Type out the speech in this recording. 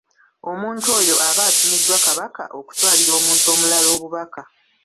Omuntu oyo aba atumiddwa Kabaka okutwalira omuntu omulala obubaka.